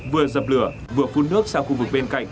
vừa dập lửa vừa phun nước sang khu vực bên cạnh